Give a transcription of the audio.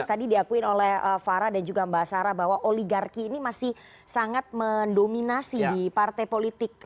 tadi diakuin oleh farah dan juga mbak sarah bahwa oligarki ini masih sangat mendominasi di partai politik